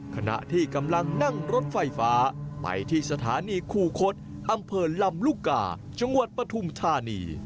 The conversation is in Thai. ขณะที่กำลังนั่งรถไฟฟ้าไปที่สถานีคู่คดอำเภอลำลูกกาจังหวัดปฐุมธานี